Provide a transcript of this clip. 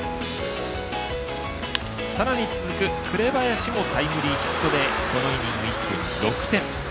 さらに続く紅林もタイムリーヒットでこのイニング一挙に６点。